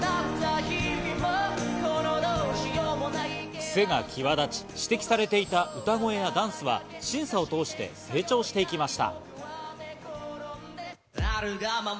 クセが際立ち、指摘されていた歌声やダンスは審査を通して成長していきました。